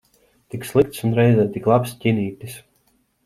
Tik slikts un reizē tik labs ķinītis.